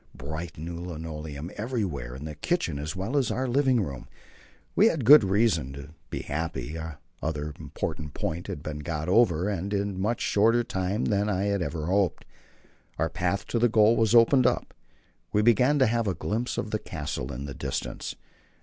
Bright, new linoleum everywhere in the kitchen as well as in our living room. We had good reason to be happy. Another important point had been got over, and in much shorter time than I had ever hoped. Our path to the goal was opening up; we began to have a glimpse of the castle in the distance.